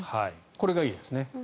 これがいいですね。